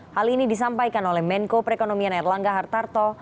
hal ini disampaikan oleh menko perekonomian erlangga hartarto